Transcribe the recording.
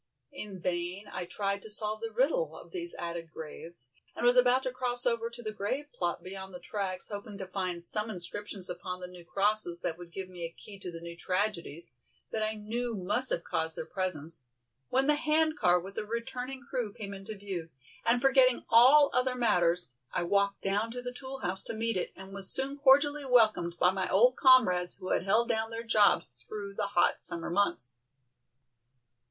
In vain I tried to solve the riddle of these added graves, and was about to cross over to the grave plot beyond the tracks, hoping to find some inscriptions upon the new crosses that would give me a key to the new tragedies that I knew must have caused their presence, when the hand car with the returning crew came into view, and forgetting all other matters, I walked down to the tool house to meet it and was soon cordially welcomed by my old comrades who had "held down" their jobs through the hot summer months.